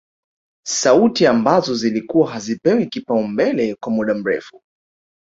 Sauti ambazo zilikuwa hazipewi kipaumbele kwa muda mrefu